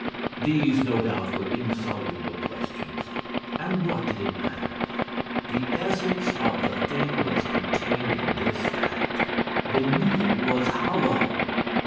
These, no doubt, were insoluble questions; and what did it matter? The essence of the thing was contained in this fact: The Needle was hollow.